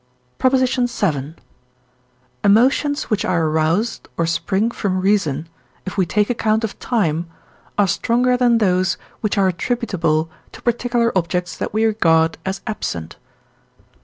PROP. VII. Emotions which are aroused or spring from reason, if we take account of time, are stronger than those, which are attributable to particular objects that we regard as absent.